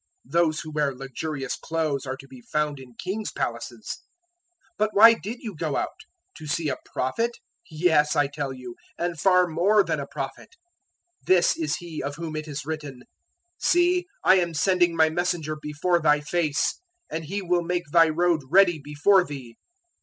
Those who wear luxurious clothes are to be found in kings' palaces. 011:009 But why did you go out? To see a prophet? Yes, I tell you, and far more than a prophet. 011:010 This is he of whom it is written, "`See I am sending My messenger before Thy face, and he will make Thy road ready before Thee.'